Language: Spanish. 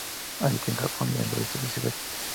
Habita en Japón y en el este de Siberia.